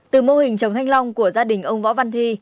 từ mô hình trồng thanh long của gia đình ông võ văn thi